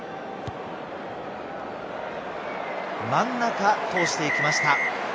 真ん中を通していきました。